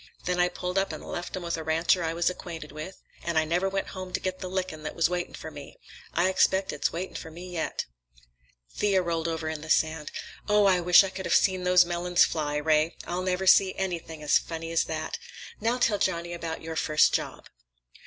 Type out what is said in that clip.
Then I pulled up an' left 'em with a rancher I was acquainted with, and I never went home to get the lickin' that was waitin' for me. I expect it's waitin' for me yet." Thea rolled over in the sand. "Oh, I wish I could have seen those melons fly, Ray! I'll never see anything as funny as that. Now, tell Johnny about your first job."